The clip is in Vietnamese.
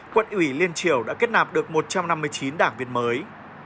quận ủy liên triều đã kết nạp được một trăm năm mươi chín đảng viên mới